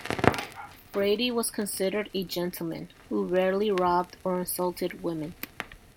Brady was considered a gentleman, who rarely robbed or insulted women.